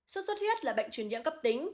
sốt thu thuyết là bệnh truyền diễn cấp tính